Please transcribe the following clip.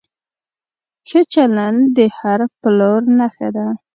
ښه چلند د هر پلور نښه ده.